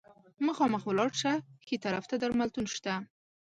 مخامخ ولاړ شه، ښي طرف ته درملتون شته.